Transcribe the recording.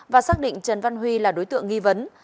và xác định trần văn huy là đối tượng nghi vấn